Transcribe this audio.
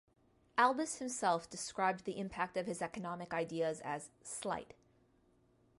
Albus himself described the impact of his economic ideas as "slight".